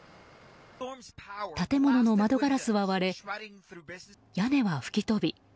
建物の窓ガラスは割れ屋根は吹き飛び